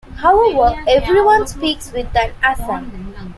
However, everyone speaks with an accent.